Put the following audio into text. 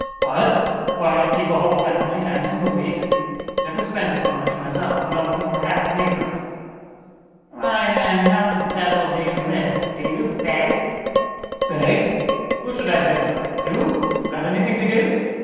"What? Why, keep a whole family handsome a week; never spend so much myself; no, nor half neither." "Why then, how the devil do you live? Do you beg?" "Beg? Who should I beg of? You? Got anything to give?